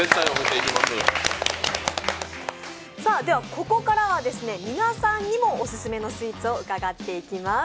ここからは皆さんにもオススメのスイーツを伺っていきます。